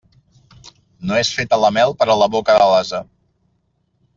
No és feta la mel per a la boca de l'ase.